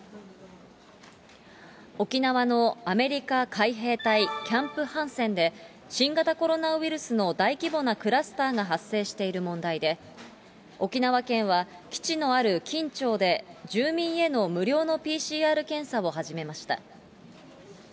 沖縄のアメリカ海兵隊、キャンプ・ハンセンで新型コロナウイルスの大規模なクラスターが発生している問題で、沖縄県は、基地のある金武町で住民への無料のＰＣＲ検査を始めました。